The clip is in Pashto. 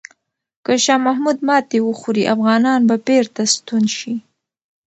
که شاه محمود ماتې وخوري، افغانان به بیرته ستون شي.